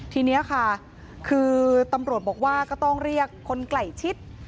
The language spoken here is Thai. ทีนี้ค่ะคือตำรวจบอกว่าก็ต้องเรียกคนใกล้ชิด